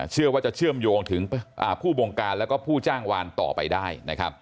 เชื่อว่าจะเชื่อมโยงถึงผู้วงการและผู้จ้างวัณต่อไปได้